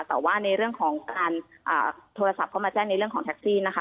แต่ว่าในเรื่องของการโทรศัพท์เข้ามาแจ้งในเรื่องของแท็กซี่นะคะ